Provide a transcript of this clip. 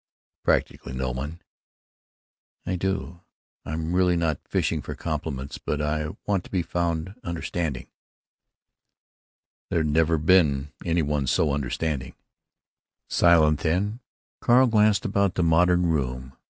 "Practically no one." "I do——I'm really not fishing for compliments, but I do want to be found understanding——" "There's never been any one so understanding." Silent then. Carl glanced about the modern room.